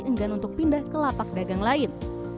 enggan untuk pindah ke lapak dagang lain